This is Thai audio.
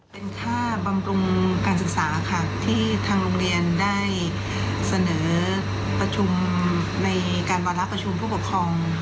เป็นค่าบำรุงการศึกษาค่ะที่ทางโรงเรียนได้เสนอประชุมในการวาระประชุมผู้ปกครอง